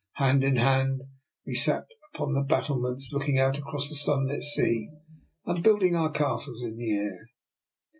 Hand in hand we sat upon the battlements, looking out across the sunlit sea, and building our castles in the air.